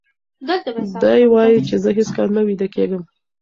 دی وایي چې زه هیڅکله نه ویده کېږم.